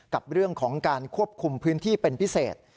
กับเรื่องของการควบคุมพื้นที่เป็นพิเศษ